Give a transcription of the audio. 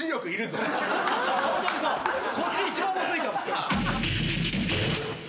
こっち一番むずいかも。